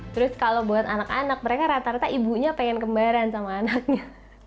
terus kalau buat anak anak mereka rata rata ibunya pengen kembaran sama anaknya